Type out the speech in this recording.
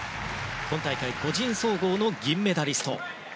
今大会、個人総合の銀メダリスト。